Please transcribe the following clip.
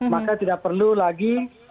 maka tidak perlu lagi